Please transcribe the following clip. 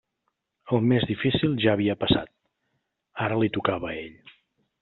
El més difícil ja havia passat: ara li tocava a ell.